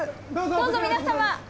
どうぞ皆様。